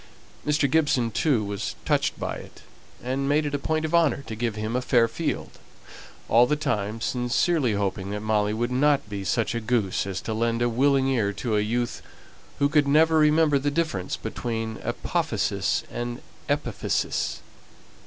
Mr. Gibson too was touched by it, and made it a point of honour to give him a fair field, all the time sincerely hoping that Molly would not be such a goose as to lend a willing ear to a youth who could never remember the difference between apophysis and epiphysis.